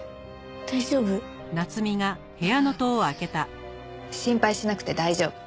大丈夫？ああ心配しなくて大丈夫。